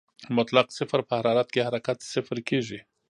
د مطلق صفر په حرارت کې حرکت صفر کېږي.